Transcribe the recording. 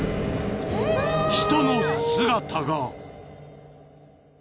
［人の姿が］